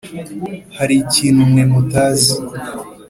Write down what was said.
hari ikintu mwe mutazi